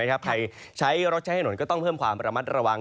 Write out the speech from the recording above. ใครใช้รถก็จะเพิ่มความระมัดระวัง